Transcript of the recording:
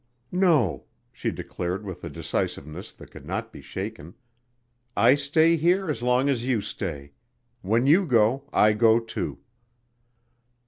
"No," she declared with a decisiveness that could not be shaken, "I stay here as long as you stay. When you go, I go, too."